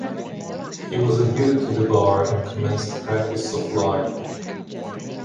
He was admitted to the bar and commenced the practice of law in Brooklyn.